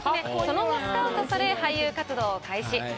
その後スカウトされ俳優活動を開始。